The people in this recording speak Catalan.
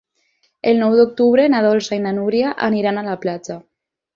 El nou d'octubre na Dolça i na Núria aniran a la platja.